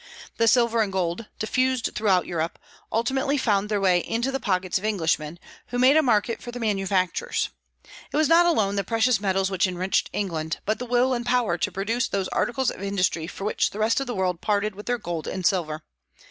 The silver and gold, diffused throughout Europe, ultimately found their way into the pockets of Englishmen, who made a market for their manufactures. It was not alone the precious metals which enriched England, but the will and power to produce those articles of industry for which the rest of the world parted with their gold and silver.